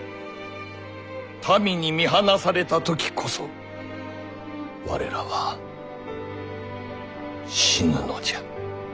民に見放された時こそ我らは死ぬのじゃ。